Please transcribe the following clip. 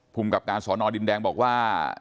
ภูมิกับการสอนอดินแดงบอกว่า